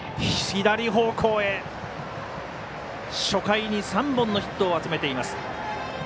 初回に３本のヒットを集めています。